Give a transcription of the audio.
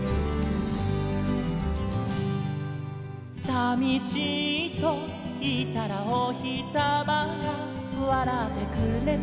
「さみしいといったらおひさまがわらってくれた」